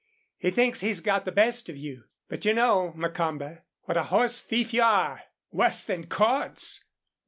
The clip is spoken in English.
He thinks he got the best of you. But you know, Macomber, what a horse thief you are. Worse than Cordts!"